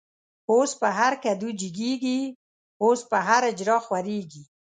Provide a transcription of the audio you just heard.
اوس په هر کدو جګيږی، اوس په هر” اجړا” خوريږی